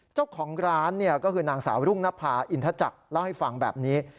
เจ้าของร้านก็คือนางสาวรุ่งนภาอินทจักรเล่าให้ฟังแบบนี้